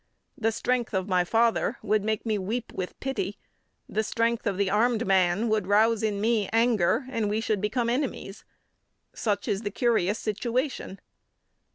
The strength of my father would make me weep with pity; the strength of the armed man would rouse in me anger, and we should become enemies. Such is the curious situation.